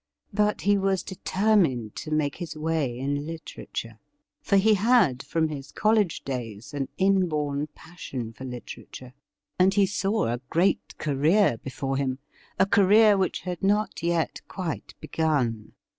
But he was determined to make his way in literature, for he had, from his college days, an inborn passion for literature, and he saw a great career before him — a career which had not yet quite begun.